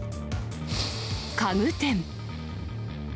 家具店。